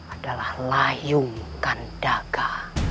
adalah layung kandaga